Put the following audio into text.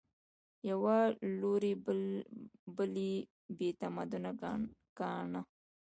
یوه لوري بل بې تمدنه ګاڼه